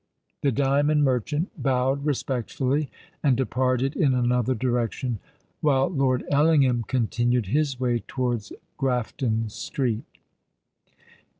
The diamond merchant bowed respectfully, and departed in another direction; while Lord Ellingham continued his way towards Grafton Street.